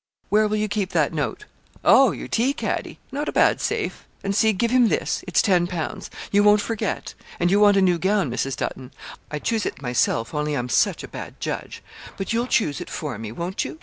Where will you keep that note? Oh! your tea caddy, not a bad safe; and see, give him this, it's ten pounds. You won't forget; and you want a new gown, Mrs. Dutton. I'd choose it thyself, only I'm such a bad judge; but you'll choose it for me, won't you?